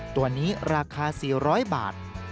ตัวนี้ราคา๔๐๐บาท